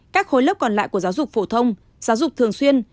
các khối lớp còn lại của giáo dục phổ thông giáo dục thường xuyên